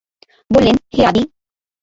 বললেন, হে আদী!